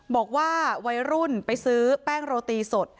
บอกว่าวัยรุ่นไปซื้อแป้งโรตีสด